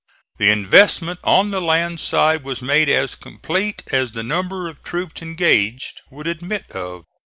The investment on the land side was made as complete as the number of troops engaged would admit of.